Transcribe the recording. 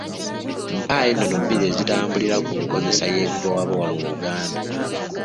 Mpaayo ennono bbiri ezitambulira ku nkozesa y’ebibowabowa mu Buganda.